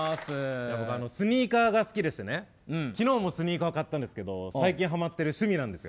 僕、スニーカーが好きでして昨日もスニーカー買ったんですけど最近ハマっている趣味なんですよ。